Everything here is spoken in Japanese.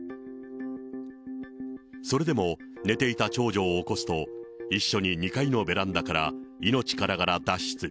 それでも、寝ていた長女を起こすと、一緒に２階のベランダから命からがら脱出。